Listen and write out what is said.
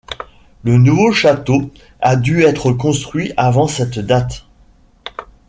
Le nouveau château a dû être construit avant cette date.